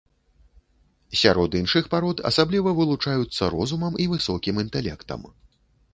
Сярод іншых парод асабліва вылучаюцца розумам і высокім інтэлектам.